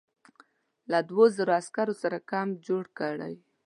له دوو زرو عسکرو سره کمپ جوړ کړی.